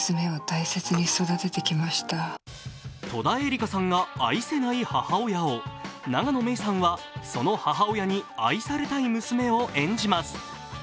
戸田恵梨香さんが愛せない母親を、永野芽郁さんはその母親に愛されたい娘を演じます。